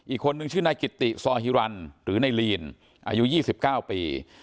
อีกคนนึงชื่อนายกิตติซอหิรันหรือนายลีนอายุยี่สิบเก้าปี